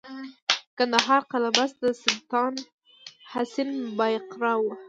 د کندهار قلعه بست د سلطان حسین بایقرا و